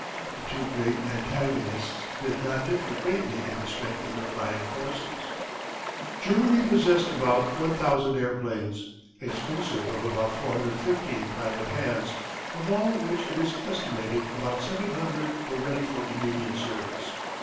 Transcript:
The two great antagonists did not differ greatly in the strength of their flying forces. Germany possessed about 1000 airplanes, exclusive of about 450 in private hands, of all which it is estimated about 700 were ready for immediate service.